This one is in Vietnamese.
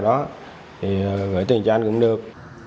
thì gửi tiền cho anh cũng được